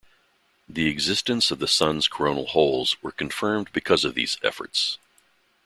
The existence of the Sun's coronal holes were confirmed because of these efforts.